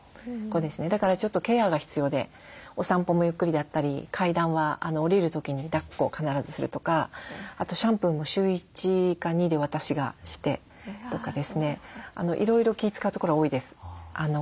だからちょっとケアが必要でお散歩もゆっくりだったり階段は下りる時にだっこを必ずするとかあとシャンプーも週１か２で私がしてとかですねいろいろ気遣うところは多いです。